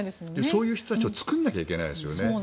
そういう人たちを作らなきゃいけないですよね。